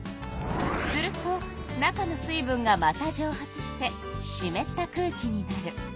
すると中の水分がまたじょう発してしめった空気になる。